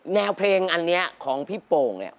แนวเพลงอันนี้ของพี่โป่ง